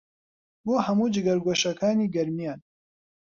بۆ هەموو جگەرگۆشەکانی گەرمیان